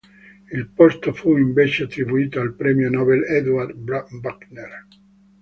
Il posto fu invece attribuito al premio Nobel Eduard Buchner.